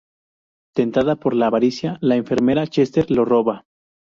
Tentada por la avaricia, la enfermera Chester lo roba.